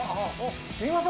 すみません